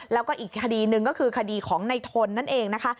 แล้วก็อีกคดีหนึ่งก็คือคดีของในทนนั่นเองนะคะ